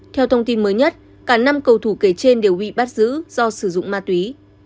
theo thông tin mới nhất cả năm cầu thủ kể trên đều bị bắt giữ do sử dụng ma túy